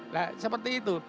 nah seperti itu